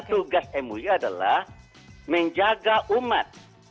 tugas mui adalah menjaga umat